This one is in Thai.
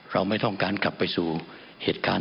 เราไม่ต้องการกลับไปสู่เหตุการณ์